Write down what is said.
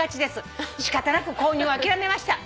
「仕方なく購入を諦めました」